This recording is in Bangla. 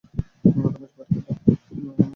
রমেশ বাড়ি গেল।